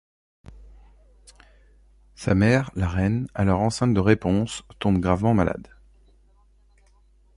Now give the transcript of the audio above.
Sa mère, la reine, alors enceinte de Raiponce, tombe gravement malade.